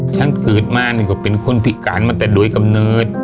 ฉันขึ้นมาก็เป็นคนติดการของกำเนิน